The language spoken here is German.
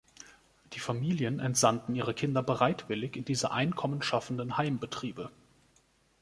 Die Familien entsandten ihre Kinder bereitwillig in diese einkommensschaffenden Heimbetriebe.